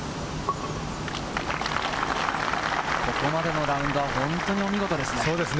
ここまでのラウンドは本当に見事です。